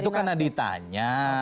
itu karena ditanya